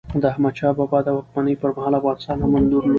د احمد شاه بابا د واکمنۍ پرمهال، افغانستان امن درلود.